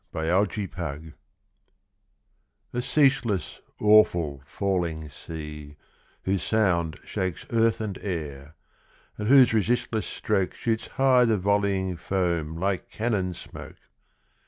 NIAGARA A ceaseless, awful, falling sea, whose sound Shakes earth and air, and whose resistless stroke Shoots high the volleying foam like cannon smoke!